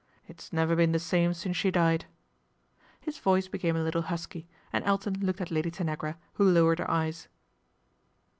It's never been he same since she died." His voice became a little jusky, and Elton looked at Lady Tanagra, who pwered her eyes.